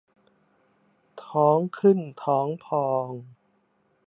ท้องขึ้นท้องพอง